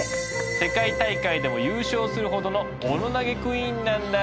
世界大会でも優勝するほどのオノ投げクイーンなんだ。